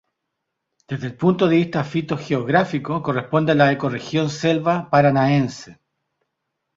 Desde el punto de vista fitogeográfico corresponde a la ecorregión selva Paranaense.